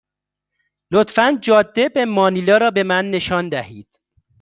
لطفا جاده به مانیلا را به من نشان دهید.